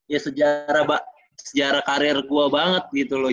ya sejarah karir gue banget gitu loh